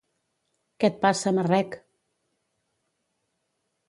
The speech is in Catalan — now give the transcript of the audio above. Què et passa, marrec.